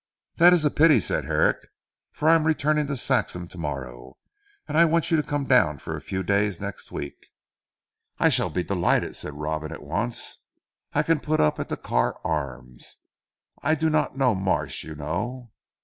"That is a pity," said Herrick, "for I am returning to Saxham to morrow, and I want you to come down for a few days next week." "I shall be delighted," replied Robin at once. "I can put up at The Carr Arms. I do not know Marsh you know."